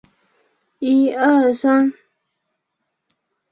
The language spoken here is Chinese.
马尼朗贝尔。